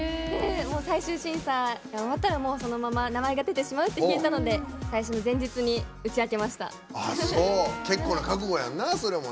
最終審査が終わったら終わったら、そのまま名前が出てしまうっていうので前日に打ち明けました。